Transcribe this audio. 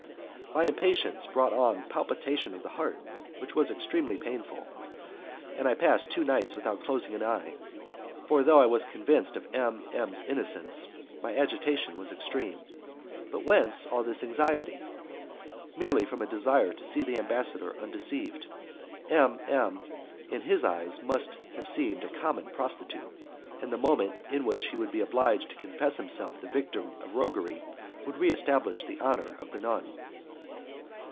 My impatience brought on palpitation of the heart, which was extremely painful, and I passed the two nights without closing an eye; for although I was convinced of M M 's innocence, my agitation was extreme. But whence all this anxiety? Merely from a desire to see the ambassador undeceived. M. M. must in his eyes have seemed a common prostitute, and the moment in which he would be obliged to confess himself the victim of roguery would re establish the honour of the nun.